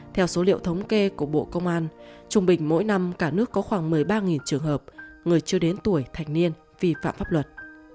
theo số liệu thống kê của bộ công an trung bình mỗi năm cả nước có khoảng một mươi ba trường hợp người chưa đến tuổi thanh niên vi phạm pháp luật